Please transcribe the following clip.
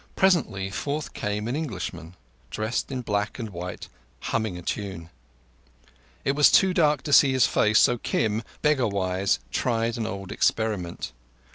Presently forth came an Englishman, dressed in black and white, humming a tune. It was too dark to see his face, so Kim, beggar wise, tried an old experiment.